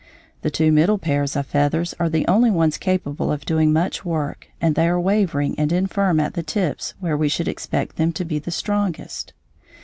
The two middle pairs of feathers are the only ones capable of doing much work and they are wavering and infirm at the tips where we should expect them to be strongest.